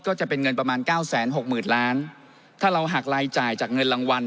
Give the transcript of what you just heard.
ก็จะเป็นเงินประมาณเก้าแสนหกหมื่นล้านถ้าเราหักรายจ่ายจากเงินรางวัล